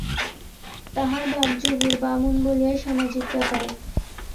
তাহার বাপ যুগীর বামুন বলিয়া সামাজিক ব্যাপারে।